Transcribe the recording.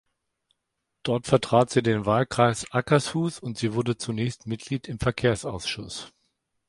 Dort vertrat sie den Wahlkreis Akershus und sie wurde zunächst Mitglied im Verkehrsausschuss.